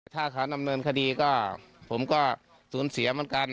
ถ้าเขาดำเนินคดีก็ผมก็สูญเสียเหมือนกัน